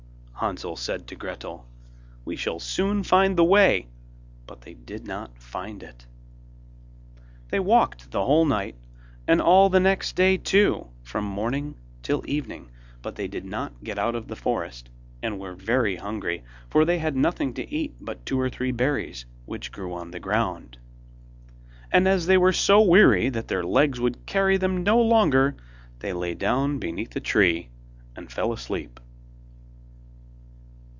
Hansel said to Gretel: 'We shall soon find the way,' but they did not find it. They walked the whole night and all the next day too from morning till evening, but they did not get out of the forest, and were very hungry, for they had nothing to eat but two or three berries, which grew on the ground. And as they were so weary that their legs would carry them no longer, they lay down beneath a tree and fell asleep.